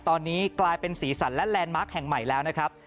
ตอนนี้กลายเป็นสีสันและแลนดมาร์คแห่งใหม่แล้วนะครับ